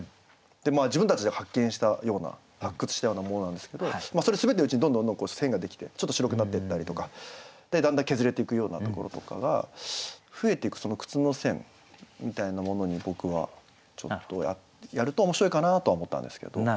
自分たちで発見したような発掘したようなものなんですけどそれ滑ってるうちにどんどん線が出来てちょっと白くなってったりとかだんだん削れていくようなところとかが増えていくその靴の線みたいなものに僕はちょっとやると面白いかなとは思ったんですけど。